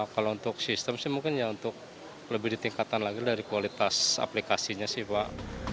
kalau untuk sistem sih mungkin ya untuk lebih ditingkatkan lagi dari kualitas aplikasinya sih pak